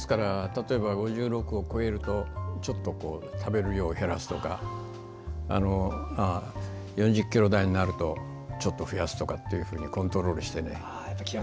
例えば５６を超えるとちょっと食べる量を減らすとか４０ｋｇ台になるとちょっと増やすとかってコントロールしてね。